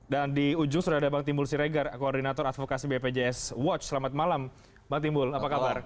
di ujung sudah ada bang timbul siregar koordinator advokasi bpjs watch selamat malam bang timbul apa kabar